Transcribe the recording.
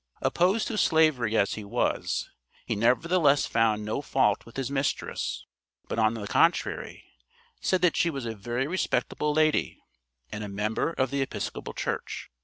Opposed to Slavery as he was, he nevertheless found no fault with his mistress, but on the contrary, said that she was a very respectable lady, and a member of the Episcopal Church.